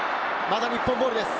まだ日本ボールです。